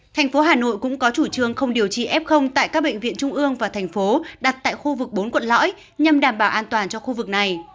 thành phố hà nội cũng có chủ trương không điều trị f tại các bệnh viện trung ương và thành phố đặt tại khu vực bốn quận lõi nhằm đảm bảo an toàn cho khu vực này